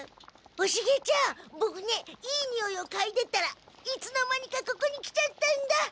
おシゲちゃんボクねいいにおいをかいでったらいつの間にかここに来ちゃったんだ！